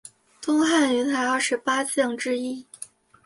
东汉云台二十八将之一。